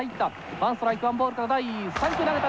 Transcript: ワンストライクワンボールから第３球投げた。